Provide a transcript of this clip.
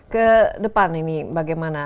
ke depan ini bagaimana